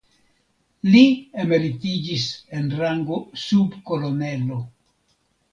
Li emeritiĝis en rango subkolonelo.